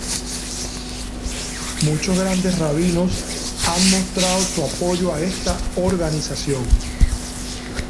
Muchos grandes rabinos han mostrado su apoyo a esta organización.